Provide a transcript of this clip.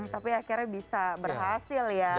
tapi akhirnya bisa berhasil ya